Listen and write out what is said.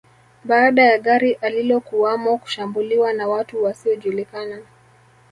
Baada ya gari alilokuwamo kushambuliwa na watu wasiojulikana